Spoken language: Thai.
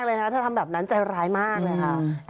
ในแรกเลยนะถ้าทำแบบนั้นใจร้ายมากเลยฮะ